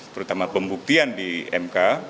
terutama pembuktian di mk